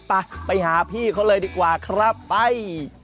ไปไปหาพี่เขาเลยดีกว่าครับไป